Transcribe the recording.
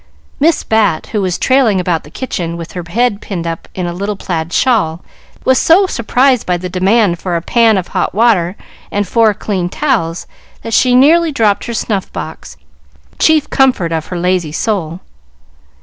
Miss Bat, who was trailing about the kitchen, with her head pinned up in a little plaid shawl, was so surprised by the demand for a pan of hot water and four clean towels, that she nearly dropped her snuff box, chief comfort of her lazy soul.